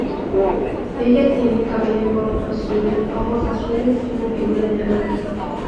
Ella tiene cabello corto azul, ojos azules y una figura delgada.